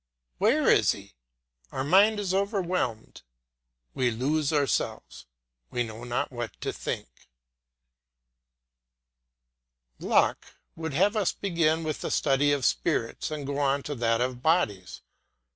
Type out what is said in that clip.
Where is he? our mind is overwhelmed, we lose ourselves, we know not what to think. Locke would have us begin with the study of spirits and go on to that of bodies.